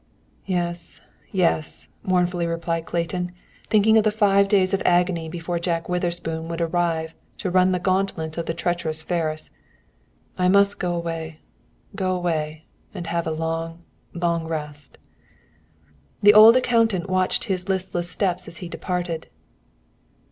"Yes, yes," mournfully replied Clayton, thinking of the five days of agony before Jack Witherspoon would arrive to run the gauntlet of the treacherous Ferris. "I must go away go away and, have a long, long rest!" The old accountant watched his listless steps as he departed.